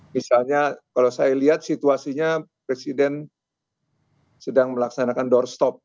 misalnya kalau saya lihat situasinya presiden sedang melaksanakan doorstop